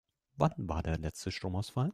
Wann war der letzte Stromausfall?